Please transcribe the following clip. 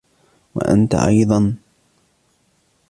وأنت أيضًا.